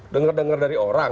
dengar dengar dari orang